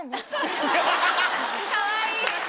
かわいい！